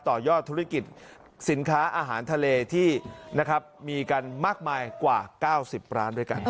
ต่อยอดธุรกิจสินค้าอาหารทะเลที่นะครับมีกันมากมายกว่า๙๐ร้านด้วยกัน